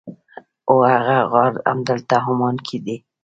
هو هغه غار همدلته عمان کې دی.